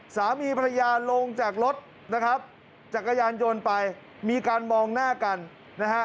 สามีภรรยาลงจากรถนะครับจักรยานยนต์ไปมีการมองหน้ากันนะฮะ